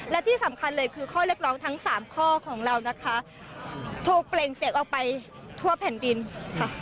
และที่สำคัญเลยคือข้อเรียกร้องทั้งสามข้อของเรานะคะถูกเปล่งเสียงออกไปทั่วแผ่นดินค่ะ